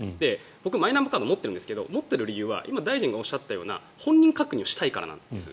僕、マイナンバーカードを持っているんですが持っている理由は今、大臣がおっしゃったような本人確認をしたいからなんです。